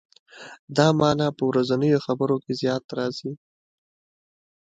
دا معنا په ورځنیو خبرو کې زیات راځي.